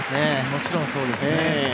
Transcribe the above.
もちろんそうですね。